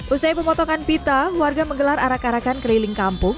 usai pemotongan pita warga menggelar arah karakan keliling kampung